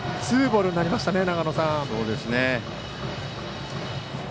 ツーボールになりました。